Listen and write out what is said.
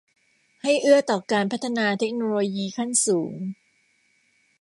ให้เอื้อต่อการพัฒนาเทคโนโลยีขั้นสูง